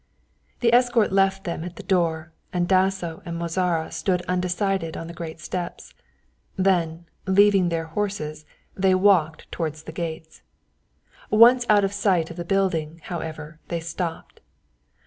The escort left them at the door and Dasso and Mozara stood undecided on the great steps. Then, leaving their horses, they walked towards the gates. Once out of sight of the building, however, they stopped.